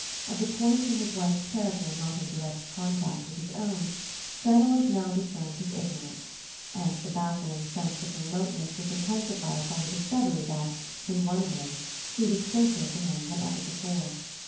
Of the points in his wife's character not in direct contact with his own, Glennard now discerned his ignorance; and the baffling sense of her remoteness was intensified by the discovery that, in one way, she was closer to him than ever before.